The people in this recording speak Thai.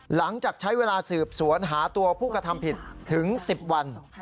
หลังจากใช้เวลาสืบสวนหาตัวผู้กระทำผิดถึง๑๐วัน